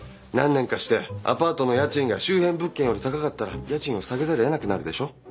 何年かしてアパートの家賃が周辺物件より高かったら家賃を下げざるをえなくなるでしょ？